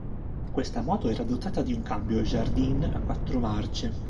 Questa moto era dotata di un cambio "Jardine" a quattro marce.